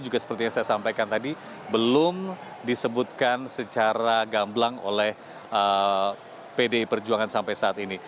juga seperti yang saya sampaikan tadi belum disebutkan secara gamblang oleh pdi perjuangan sampai saat ini